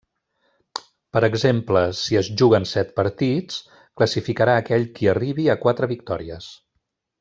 Per exemple, si es juguen set partits, classificarà aquell qui arribi a quatre victòries.